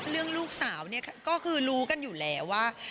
เรื่องลูกสาวก็รู้กันอยู่แล้วว่า